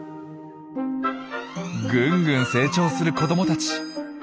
ぐんぐん成長する子どもたち。